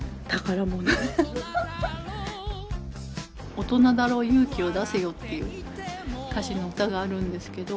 「おとなだろ勇気をだせよ」っていう歌詞の歌があるんですけど。